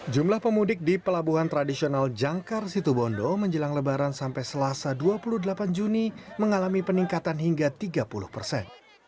jumlah pemudik di pelabuhan tradisional jangkar situbondo menjelang lebaran sampai selasa dua puluh delapan juni mengalami peningkatan hingga tiga puluh persen